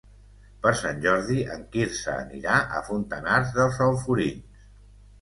Per Sant Jordi en Quirze anirà a Fontanars dels Alforins.